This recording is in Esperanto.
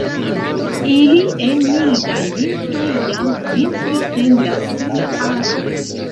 Ili en mildaj vintroj jam vintre pendas sur la arboj.